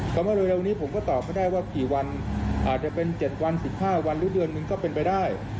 ก็มาเร็ววันนี้ผมก็ตอบได้ว่าอาจจะเป็น๗วัน๑๕วันหรือเดือนนึงก็เป็นไปได้